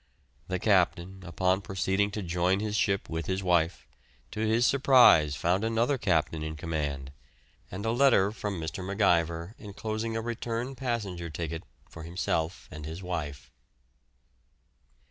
The captain, upon proceeding to join his ship with his wife, to his surprise found another captain in command, and a letter from Mr. MacIver enclosing a return passenger ticket for himself and his wife.